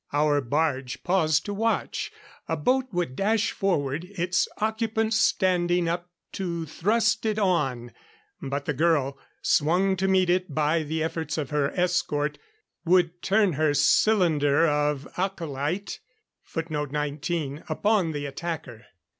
Our barge paused to watch. A boat would dash forward, its occupant standing up to thrust it on. But the girl, swung to meet it by the efforts of her escort, would turn her cylinder of alcholite upon the attacker.